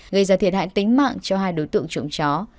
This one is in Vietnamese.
gây ra thiệt hại tính mạng cho hai đối tượng trộm chó